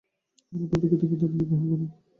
আমার অনন্ত কৃতজ্ঞতা আপনি গ্রহণ করুন।